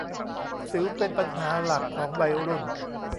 สิวเป็นปัญหาหลักของวัยรุ่น